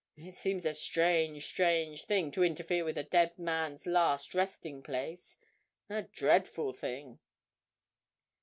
It seems a strange, strange thing to interfere with a dead man's last resting place—a dreadful thing."